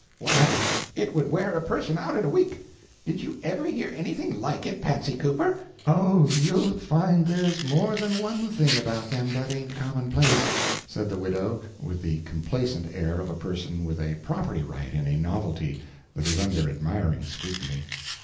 Why, it would wear a person out in a week! Did you ever hear anything like it, Patsy Cooper?" "Oh, you'll find there's more than one thing about them that ain't commonplace," said the widow, with the complacent air of a person with a property right in a novelty that is under admiring scrutiny.